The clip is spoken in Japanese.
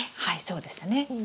はいそうでしたね。